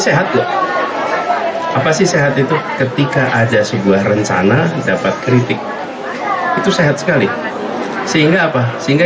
sehat loh apa sih sehat itu ketika ada sebuah rencana dapat kritik itu sehat sekali sehingga apa sehingga